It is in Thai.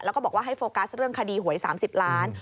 แล้วก็บอกว่าให้โฟกัสเรื่องคดีหวย๓๐ล้าน